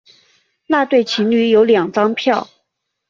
那对情侣有两张票